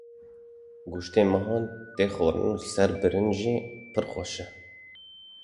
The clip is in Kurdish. Goştê mihan tê xwarin û li ser birincê pir xweş e.